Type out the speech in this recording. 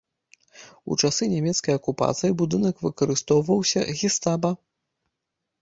У часы нямецкай акупацыі будынак выкарыстоўваўся гестапа.